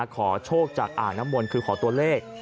ขอโชคจากอ่างน้ำมนต์คือขอตัวเลข